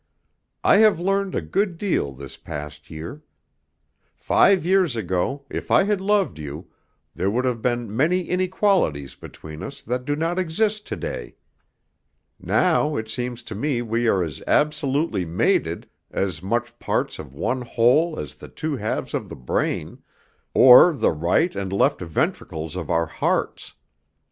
I have learned a good deal this past year. Five years ago, if I had loved you, there would have been many inequalities between us that do not exist to day. Now it seems to me we are as absolutely mated, as much parts of one whole as the two halves of the brain, or the right and left ventricles of our hearts.